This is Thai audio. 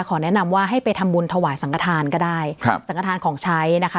แนะนำว่าให้ไปทำบุญถวายสังกฐานก็ได้ครับสังกฐานของใช้นะคะ